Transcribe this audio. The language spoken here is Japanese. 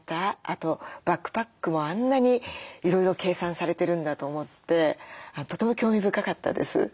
あとバックパックもあんなにいろいろ計算されてるんだと思ってとても興味深かったです。